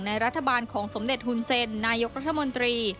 รัฐบาลของสมเด็จฮุนเซ็นนายกรัฐมนตรี